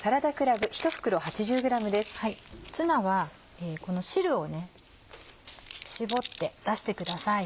ツナはこの汁を絞って出してください。